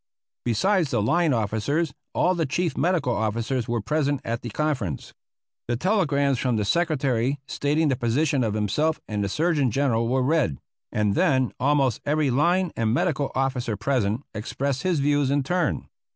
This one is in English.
Besides the line officers all the chief medical officers were present at the conference. The telegrams from the Secretary stating the position of himself and the Surgeon General were read, and then almost every line and medical officer present expressed his views in turn.